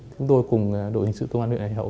chúng tôi cùng đội hình sự công an huyện hải hậu